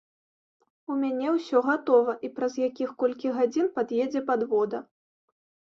У мяне ўсё гатова, і праз якіх колькі гадзін пад'едзе падвода.